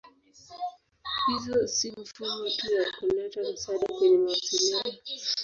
Hizo si mifumo tu ya kuleta msaada kwenye mawasiliano.